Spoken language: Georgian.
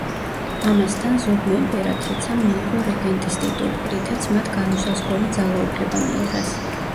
ამასთან ზოგმა იმპერატრიცამ მიიღო რეგენტის ტიტული, რითაც მათ განუსაზღვრელი ძალაუფლება მიიღეს.